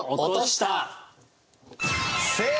正解！